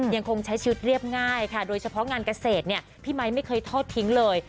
ยังคงใช้ชีวิตเรียบง่ายค่ะโดยเฉพาะงานเกษตรเนี่ยพี่ไมค์ไม่เคยทอดทิ้งเลย